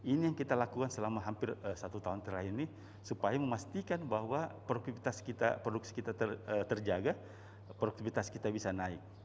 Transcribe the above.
ini yang kita lakukan selama hampir satu tahun terakhir ini supaya memastikan bahwa produktivitas kita produksi kita terjaga produktivitas kita bisa naik